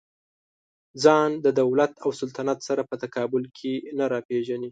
ځان د دولت او سلطنت سره په تقابل کې نه راپېژني.